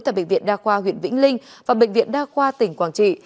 tại bệnh viện đa khoa huyện vĩnh linh và bệnh viện đa khoa tỉnh quảng trị